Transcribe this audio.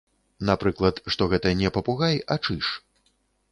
Напрыклад, што гэта не папугай, а чыж.